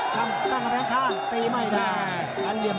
ตั้งกับแขนข้างตีไม่ได้